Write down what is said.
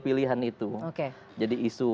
pilihan itu jadi isu